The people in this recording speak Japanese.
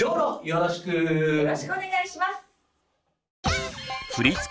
よろしくお願いします。